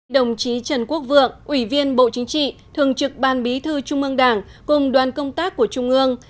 đồng chí trần quốc vượng ủy viên bộ chính trị thường trực ban bí thư trung ương đảng cùng đoàn công tác của trung ương